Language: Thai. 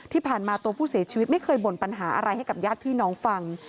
ที่ผ่านมาตัวผู้เสียชีวิตไม่เคยบ่นปัญหาอะไรให้กับญาติพี่น้องฟัง